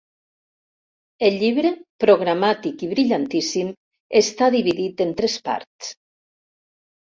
El llibre, programàtic i brillantíssim, està dividit en tres parts.